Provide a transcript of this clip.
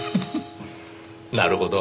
なるほど。